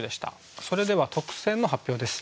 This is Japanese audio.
それでは特選の発表です。